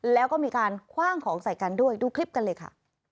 แล้วก็มีการคว่างของใส่กันด้วยดูคลิปกันเลยค่ะ